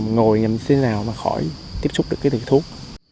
ngồi làm thế nào mà khỏi tiếp xúc được cái thứ thuốc